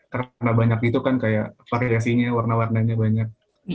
karena banyak gitu kan kayak variasinya warna warnanya banyak